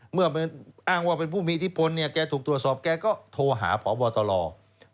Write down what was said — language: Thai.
เมื่ออ้างว่าเป็นผู้มีอิทธิพลเนี่ยแกถูกตรวจสอบแกก็โทรหาพบตร